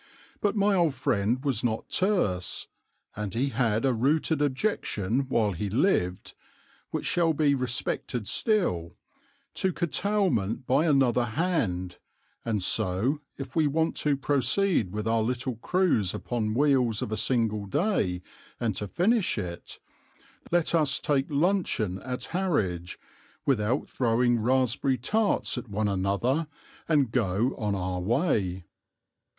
But my old friend was not terse, and he had a rooted objection while he lived, which shall be respected still, to curtailment by another hand, and so, if we want to proceed with our little cruise upon wheels of a single day and to finish it, let us take luncheon at Harwich, without throwing raspberry tarts at one another, and go on our way.